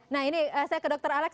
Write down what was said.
nah ini saya ke dr alex